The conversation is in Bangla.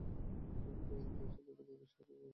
সেখানে তিনি শতাধিক উইকেট ও সহস্রাধিক রান তুলেছিলেন।